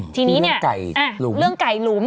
ทีนี้เนี่ยไก่เรื่องไก่หลุม